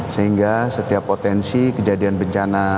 sehingga setiap potensi kejadian bencana